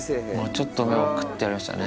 ちょっとぴくってなりましたね。